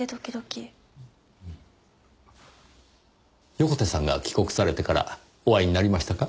横手さんが帰国されてからお会いになりましたか？